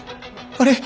あれ？